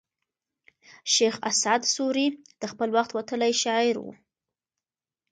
شېخ اسعد سوري د خپل وخت وتلى شاعر وو.